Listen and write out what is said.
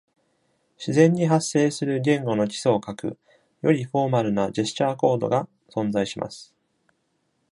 自然に発生する言語の基礎を欠く、よりフォーマルなジェスチャーコードが存在します。